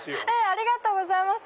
ありがとうございます！